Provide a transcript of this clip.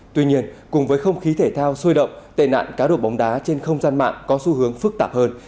tuy nhiên cùng với không khí thể thao sôi động tệ nạn cá độ bóng đá trên không gian mạng có xu hướng phức tạp hơn